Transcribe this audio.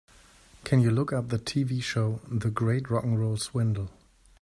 Can you look up the TV show, The Great Rock 'n' Roll Swindle?